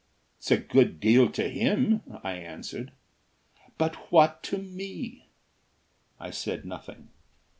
"It's a good deal to him," I answered. "But what to me?" I said nothing.